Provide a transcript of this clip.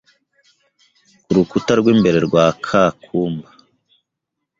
ku rukuta rw’imbere rwa ka kumba.